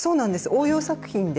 応用作品で。